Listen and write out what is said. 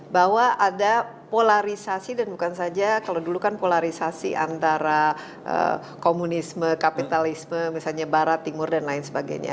bahwa ada polarisasi dan bukan saja kalau dulu kan polarisasi antara komunisme kapitalisme misalnya barat timur dan lain sebagainya